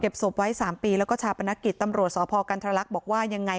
ศพไว้๓ปีแล้วก็ชาปนกิจตำรวจสพกันทรลักษณ์บอกว่ายังไง